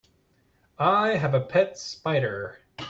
I have a pet spider.